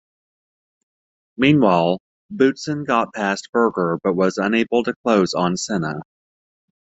Meanwhile, Boutsen got past Berger but was unable to close on Senna.